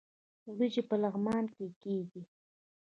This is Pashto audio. وریجې په لغمان کې کیږي